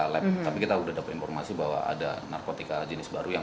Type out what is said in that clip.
lagi nampak bahwa namun tetapi kita udah dapur informasi bahwa ada narkotika jenis baru yang